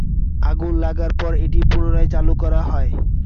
আগুন লাগার পর এটি পুনরায় চালু করা হয়।